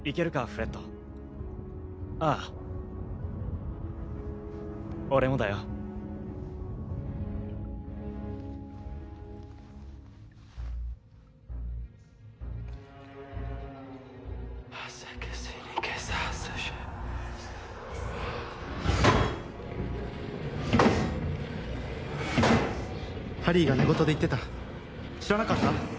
フレッドああ俺もだよハリーが寝言で言ってた知らなかった？